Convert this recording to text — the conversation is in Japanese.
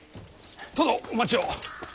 殿お待ちを。